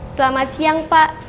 selamat siang pak